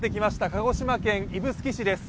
鹿児島県指宿市です。